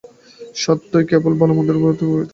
স্বার্থই কেবল ভাল-মন্দের প্রভেদ করিয়া থাকে।